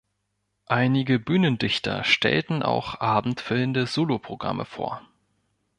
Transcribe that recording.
Einige Bühnendichter stellten auch abendfüllende Solo-Programme vor.